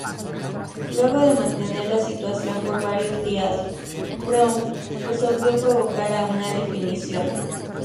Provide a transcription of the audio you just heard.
Luego de mantener la situación por varios días, Brown resolvió provocar a una definición.